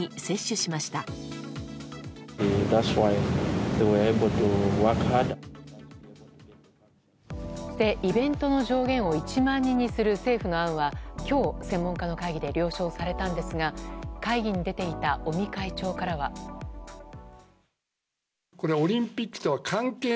そしてイベントの上限を１万人にする政府の案は今日、専門家の会議で了承されたんですが会議に出ていた尾身会長からは。